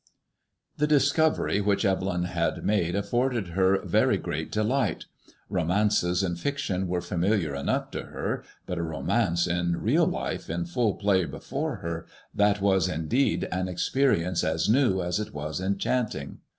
!^HE dtscovcfy which ^0> £ve)yo had made aC* \ forded her very great ' delight, Romances in ' fiction were familiar ' enough to her, but a romance in real life in full play bifore her, that was indeed an experience as new as it was en chanting.